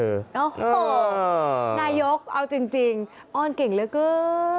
โอ้โหนายกเอาจริงอ้อนเก่งเหลือเกิน